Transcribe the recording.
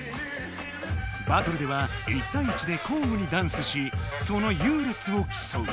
バトルでは１たい１で交互にダンスしそのゆうれつをきそう。